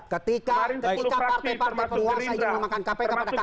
ketika partai partai perjuang saja yang memakan kpk pada kakaknya